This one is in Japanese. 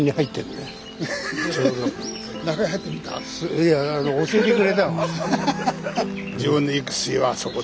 いやあの教えてくれたの。